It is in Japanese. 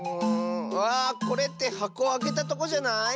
あこれってはこをあけたとこじゃない？